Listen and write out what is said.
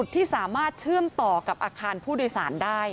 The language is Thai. ที่สามารถเชื่อมต่อกับอาคารผู้โดยสารได้